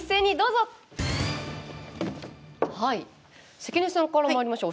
関根さんからまいりましょう。